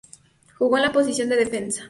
Jugó en la posición de defensa.